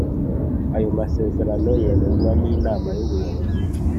Ayo masezerano yemezwa n Inama y Ubuyobozi